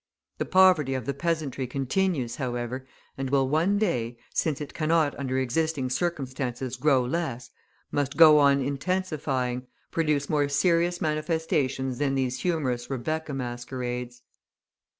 The poverty of the peasantry continues, however, and will one day, since it cannot under existing circumstances grow less, but must go on intensifying, produce more serious manifestations than these humorous Rebecca masquerades.